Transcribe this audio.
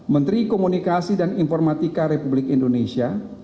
menteri komunikasi dan informatika republik indonesia